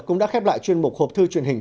cũng đã khép lại chuyên mục hộp thư truyền hình